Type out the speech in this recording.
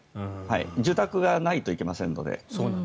住宅がないといけませんので。